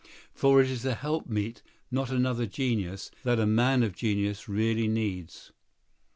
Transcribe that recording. For it is a helpmeet, not another genius, that a man of genius really needs most.